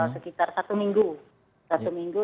sekitar satu minggu